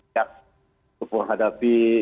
siap untuk menghadapi